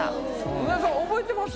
梅沢さん覚えてます？